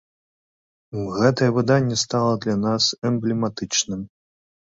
Гэтае выданне стала для нас эмблематычным.